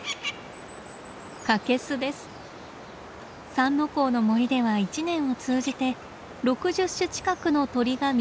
三之公の森では一年を通じて６０種近くの鳥が見られます。